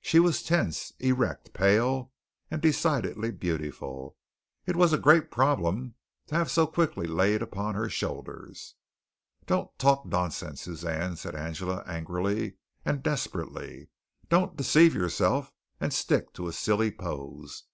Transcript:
She was tense, erect, pale and decidedly beautiful. It was a great problem to have so quickly laid upon her shoulders. "Don't talk nonsense, Suzanne!" said Angela angrily and desperately. "Don't deceive yourself and stick to a silly pose.